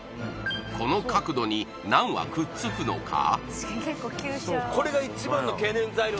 この角度にナンはくっつくのか？